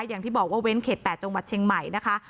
อย่างที่บอกว่าเว้นเขต๘จังหวัดเชียงใหม่นะคะ